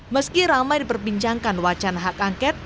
meski ramai diperbincangkan wacana hak angket